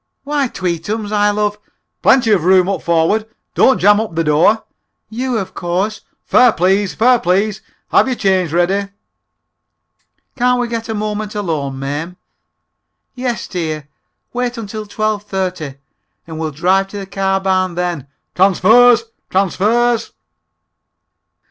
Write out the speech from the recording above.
"Why, tweetums, I love (plenty of room up forward! Don't jam up the door) you, of course. (Fare, please! Fare, please! Have your change ready!)" "Can't we get a moment alone, Mame?" "Yes, dear; wait until twelve thirty, and we'll drive to the car barn then. (Transfers! Transfers!)"